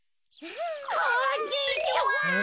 こんにちは。